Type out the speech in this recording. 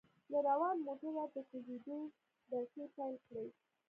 له روان موټره د کوزیدو دړکې پېل کړې.